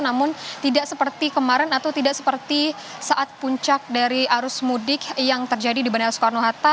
namun tidak seperti kemarin atau tidak seperti saat puncak dari arus mudik yang terjadi di bandara soekarno hatta